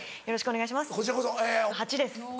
よろしくお願いします。